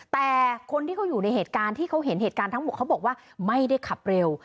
แต่คนที่เขาอยู่ในเหตุการณ์ที่เขาเห็นเหตุการณ์ทั้งหมดเขาบอกว่าไม่ได้ขับเร็ว